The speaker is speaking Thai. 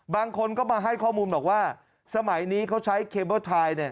บางคนก็มาให้ข้อมูลบอกว่าสมัยนี้เขาใช้เคเบิ้ลไทยเนี่ย